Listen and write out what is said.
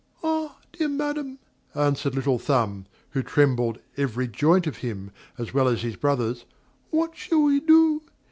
"Ah! dear Madam," answered Little Thumb (who trembled every joint of him, as well as his brothers) "what shall we do?